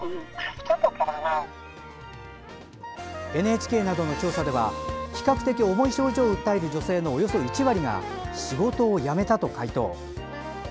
ＮＨＫなどの調査では比較的重い症状を訴える女性のおよそ１割が仕事を辞めたと回答。